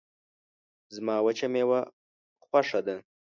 زما وچه میوه خوشه ده